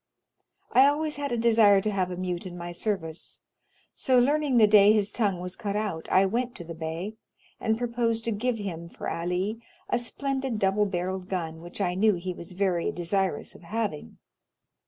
I always had a desire to have a mute in my service, so learning the day his tongue was cut out, I went to the Bey, and proposed to give him for Ali a splendid double barreled gun, which I knew he was very desirous of having.